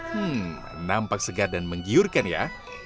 hmm nampak segar dan menggiurkan ya